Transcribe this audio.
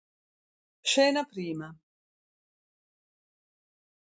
Scena prima.